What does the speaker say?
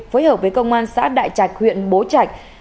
phối hợp với công an xã đại trạch huyện bố trạch